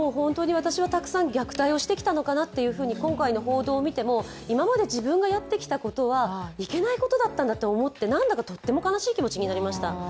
私はたくさん虐待をしてきたのかなと今回の報道を見ても今まで自分がやってきたことはいけないことだったんだと思って、なんだかとっても悲しい気持ちになりました。